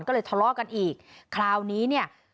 ก็เลยทะเลาะกันอีกคราวนี้เนี่ย